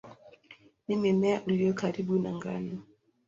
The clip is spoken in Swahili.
Ni mmea ulio karibu na ngano.